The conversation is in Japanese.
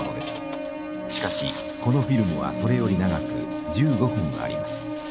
しかしこのフィルムはそれより長く１５分あります。